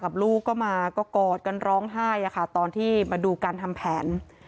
ลูกก็มาก็กอดกันร้องไห้อะค่ะตอนที่มาดูการทำแผน